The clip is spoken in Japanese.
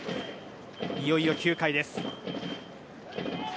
いよいよ９回です。